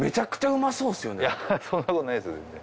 いやそんなことないです。